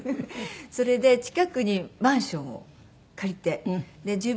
それで近くにマンションを借りて自分が出て。